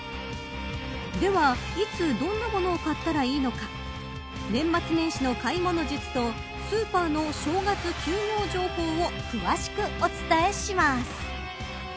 では、いつどんなものを買ったらいいのか年末年始の買い物術とスーパーの正月休業情報を詳しくお伝えします。